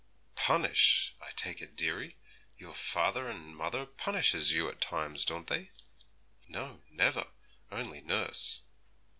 'Punish, I take it, dearie, your father and mother punishes you at times, don't they?' 'No, never; only nurse.'